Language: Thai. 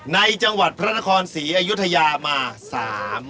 ในจังหวัดพระนครศรีอยุธยามาสาม